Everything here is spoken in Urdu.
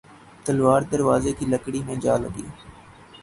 تلوار دروازے کی لکڑی میں جا لگی